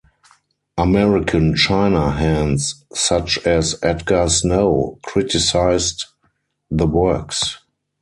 American China Hands such as Edgar Snow criticized the works.